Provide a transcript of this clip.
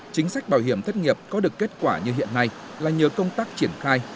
chính sách bảo hiểm thất nghiệp có được kết quả như hiện nay là nhờ công tác triển khai